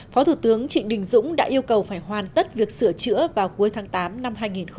phó thủ tướng trịnh đình dũng đã yêu cầu phải hoàn tất việc sửa chữa vào cuối tháng tám năm hai nghìn hai mươi